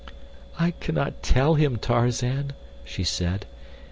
"I cannot tell him, Tarzan," she said.